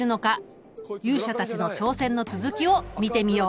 勇者たちの挑戦の続きを見てみよう。